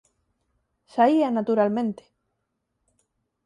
Saía naturalmente.